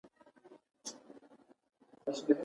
دا بیه د استثمار د درجې کچه څرګندوي